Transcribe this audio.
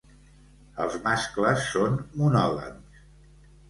Els mascles són monògams.